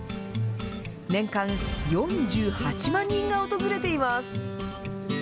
年間４８万人が訪れています。